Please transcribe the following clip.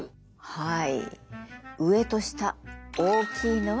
はい。